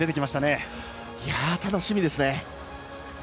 楽しみですね。